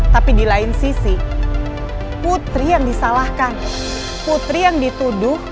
tapi di lain sisi putri yang disalahkan putri yang dituduh